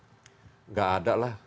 tidak ada lah